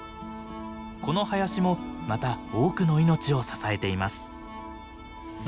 この林もまた多くの命を支えています。